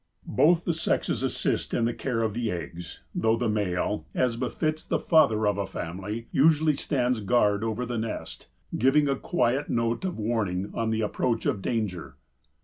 Both the sexes assist in the care of the eggs, though the male, as befits the father of a family, usually stands guard over the nest, giving a quiet note of warning on the approach of danger.